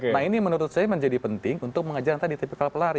nah ini menurut saya menjadi penting untuk mengejar tadi tipikal pelari